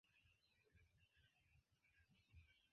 Li interesiĝis ankaŭ en malgrandaj mamuloj.